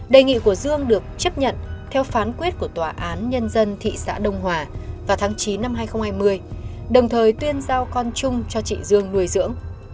đề nghị của dương được chấp nhận theo phán quyết của tòa án nhân dân thị xã đông hòa vào tháng chín năm hai nghìn hai mươi đồng thời tuyên giao con chung cho chị dương nuôi dưỡng